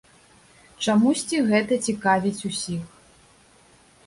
Чамусьці, гэта цікавіць усіх.